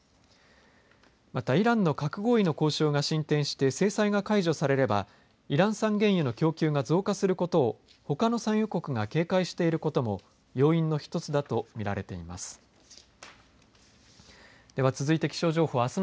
また、イランの核合意の交渉が進展して制裁が解除されればイラン産原油の提供が増加することをほかの産油国が警戒していることも要因の一つだとみられています。